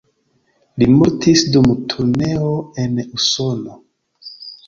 Li mortis dum turneo en Usono.